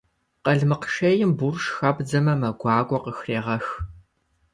Къалмыкъ шейм бурш хэбдзэмэ, мэ гуакӏуэ къыхрегъэх.